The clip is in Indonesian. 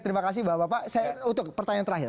terima kasih bapak bapak untuk pertanyaan terakhir